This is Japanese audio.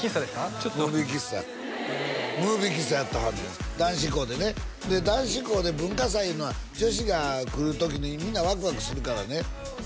ちょっと待ってムービー喫茶ムービー喫茶やってはんねん男子校でねで男子校で文化祭いうのは女子が来る時にみんなワクワクするからね